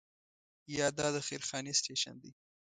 یا دا د خیر خانې سټیشن دی.